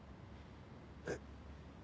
えっ？